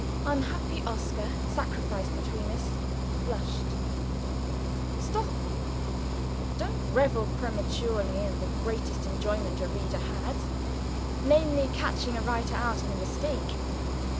Unhappy Oscar sacrificed between us blushed. Stop! Don't revel prematurely in the greatest enjoyment a reader has namely, catching a writer out in a mistake.